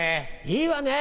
いいわね。